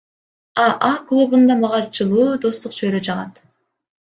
АА клубунда мага жылуу достук чөйрө жагат.